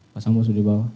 pak sambo sudah di bawah